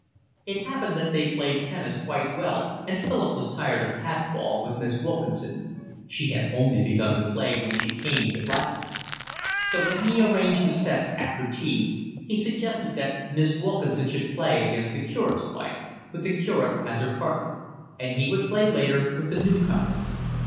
It happened that they played tennis quite well and Philip was tired of pat ball with Miss Wilkinson (she had only begun to play when she came to Blackstable), so when he arranged the sets after tea he suggested that Miss Wilkinson should play against the curate's wife, with the curate as her partner; and he would play later with the new comers.